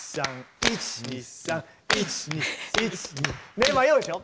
ねえ迷うでしょ？